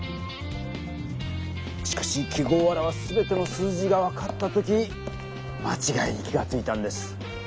しかし記号を表すすべての数字が分かった時間ちがいに気がついたんです。